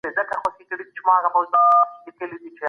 یوازې ژوند کول د انسان لپاره ګران دي.